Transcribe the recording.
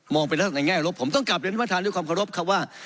มองไปแล้วแน่ใงละละผมต้องกลับด้วยท่านผู้ท่านด้วยความเคารพครับว่า